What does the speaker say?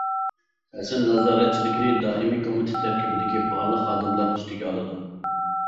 قەسەم نازارەتچىلىكىنى دائىمىي كومىتېت تەركىبىدىكى بارلىق خادىملار ئۈستىگە ئالىدۇ.